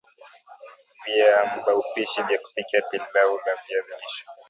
Viambaupishi vya kupikia pilau la viazi lishe